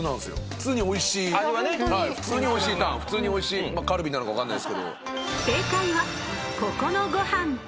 普通においしいタン普通においしいまあカルビなのかわかんないすけど。